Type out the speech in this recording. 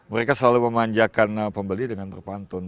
mereka selalu memanjakan pembeli dengan berpantun